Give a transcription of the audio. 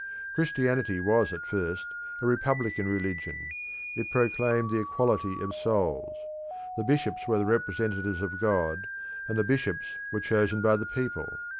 Christianity was at first a republican religion; it proclaimed the equality of souls; the bishops were the representatives of God, and the bishops were chosen by the people.